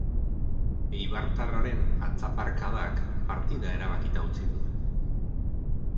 Eibartarraren atzaparkadak partida erabakita utzi du.